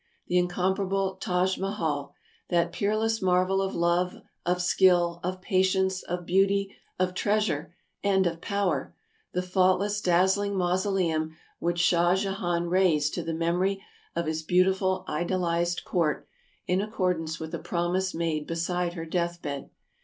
The incomparable Taj Mahal, that peerless marvel of love, of skill, of patience, of beauty, of treasure, and of power; the faultless, dazzling mausoleum which Shah Jehan raised to the memory of his beautiful idolized consort, in accord ance with a promise made beside her death bed.